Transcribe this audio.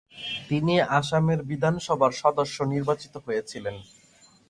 তিনি আসামের বিধান সভার সদস্য নির্বাচিত হয়েছিলেন।